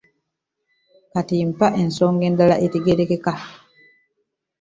Kati mpa ensonga endala etegeerekeka.